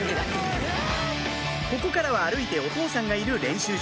ここからは歩いてお父さんがいる練習場